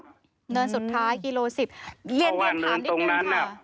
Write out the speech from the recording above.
เนินสุดท้ายกิโลสิบเพราะว่าเนินตรงนั้นน่ะ